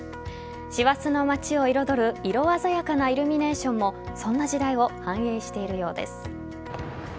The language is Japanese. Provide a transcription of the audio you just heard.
師走の街を彩る色鮮やかなイルミネーションもそんな時代を反映しているようです。